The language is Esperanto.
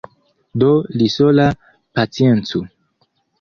Do li sola paciencu!